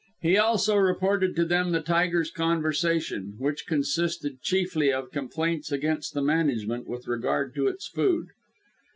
He also reported to them the tiger's conversation, which consisted chiefly of complaints against the management with regard to its food.